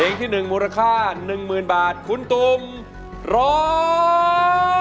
ที่๑มูลค่า๑๐๐๐บาทคุณตุ๋มร้อง